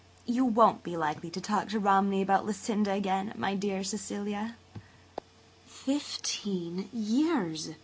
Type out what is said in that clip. You won't be likely to talk to Romney about Lucinda again, my dear Cecilia?" "Fifteen years!"